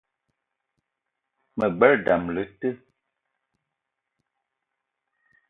Me gbelé dam le te